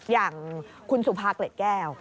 อย่างคุณสุภาเกล็ดแก้ว